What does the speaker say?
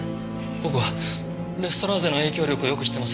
僕はレストラーゼの影響力をよく知ってます。